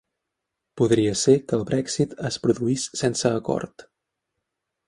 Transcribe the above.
Podria ser que el Brexit es produís sense acord